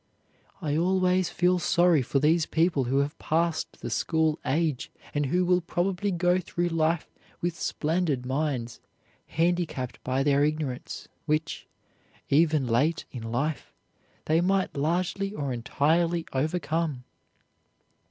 I always feel sorry for these people who have passed the school age and who will probably go through life with splendid minds handicapped by their ignorance which, even late in life, they might largely or entirely overcome.